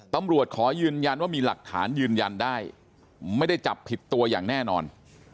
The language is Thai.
ขอยืนยันว่ามีหลักฐานยืนยันได้ไม่ได้จับผิดตัวอย่างแน่นอน